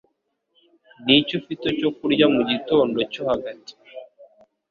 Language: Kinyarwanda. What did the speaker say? Niki ufite cyo kurya mugitondo cyo hagati?